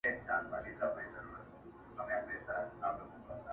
o په خره ئې وس نه رسېدی، پر پالانه ئې راواچول٫